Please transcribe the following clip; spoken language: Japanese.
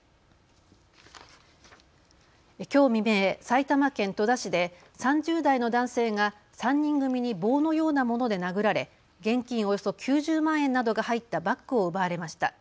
きょう未明、埼玉県戸田市で３０代の男性が３人組に棒のようなもので殴られ現金およそ９０万円などが入ったバッグを奪われました。